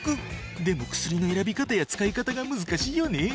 でも薬の選び方や使い方が難しいよね。